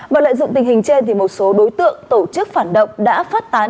và lợi dụng tình hình trên một số đối tượng tổ chức phản động đã phát tán